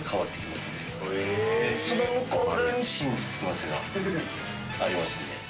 その向こう側に真実の汗がありますんで。